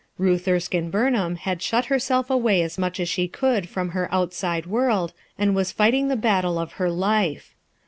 Ruth Erskine Bumham had shut herself away as much as she could from her outside world, and was fighting the battle of her life.